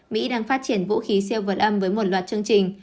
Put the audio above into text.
mỹ đang phát triển vũ khí siêu vượt âm với một loạt chương trình